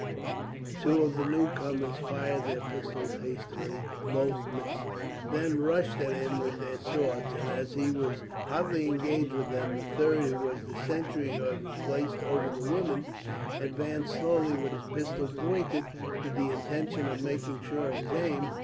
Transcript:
[Illustration: Two of the newcomers fired hastily and both missed] Two of the newcomers fired their pistols hastily both missed then rushed at him with their swords; and as he was hotly engaged with them the third, who was the sentry who had been placed over the women, advanced slowly, with his pistol pointed, with the intention of making sure of his aim.